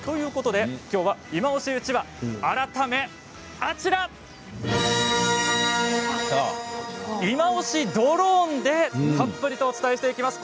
きょうは、いまオシうちわ改めあちらいまオシドローンでたっぷりとお伝えしていきます。